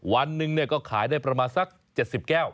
วันหนึ่งก็ขายได้ประมาณสัก๗๐แก้ว